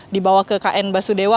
dibawa ke kn basudewa